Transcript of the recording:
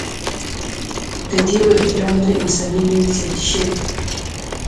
د دې بهیر له امله انساني نوعې زیاتې شوې.